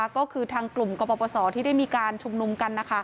ก็คือทางกลุ่มกรปศที่ได้มีการชุมนุมกัน